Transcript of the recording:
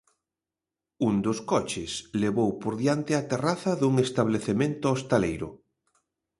Un dos coches levou por diante a terraza dun establecemento hostaleiro.